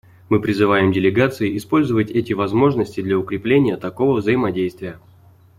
Мы призываем делегации использовать эти возможности для укрепления такого взаимодействия.